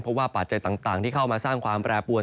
เพราะว่าปัจจัยต่างที่เข้ามาสร้างความแปรปวน